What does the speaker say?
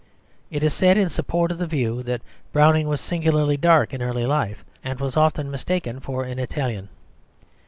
It is said in support of the view that Browning was singularly dark in early life, and was often mistaken for an Italian.